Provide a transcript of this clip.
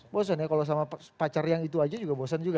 bosan ya kalau sama pacar yang itu aja juga bosan juga